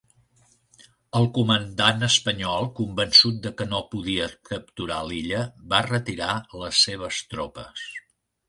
El comandant espanyol, convençut de que no podia capturar l'illa, va retirar les seves tropes.